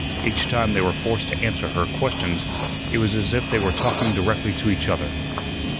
Each time they were forced to answer her questions it was as if they were talking directly to each other.